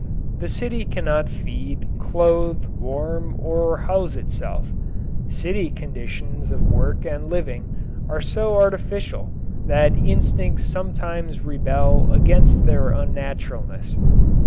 The city cannot feed, clothe, warm, or house itself. City conditions of work and living are so artificial that instincts sometimes rebel against their unnaturalness.